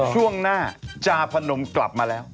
ช่วงหน้าจาพนมกลับมาแล้ว